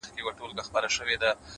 ته يې بد ايسې،